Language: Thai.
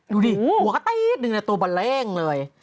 ดูดิหัวกะติดหนึ่งศูนย์โบเร่งเลย